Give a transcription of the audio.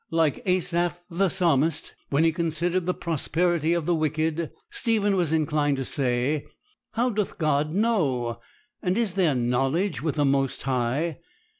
Like Asaph, the psalmist, when he considered the prosperity of the wicked, Stephen was inclined to say, 'How doth God know? and is there knowledge with the Most High?